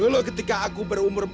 dulu ketika aku berumur empat belas